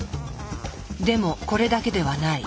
でもこれだけではない。